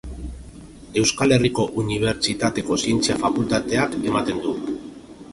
Euskal Herriko Unibertsitateko Zientzia Fakultateak ematen du.